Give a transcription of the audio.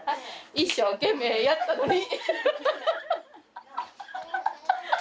一生懸命やったのに！